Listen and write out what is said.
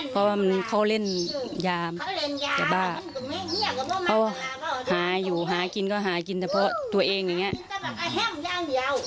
เพราะว่าเขาเล่นยามจะบ้าหาอยู่หากินก็หากินแต่เพราะตัวเองอย่างนี้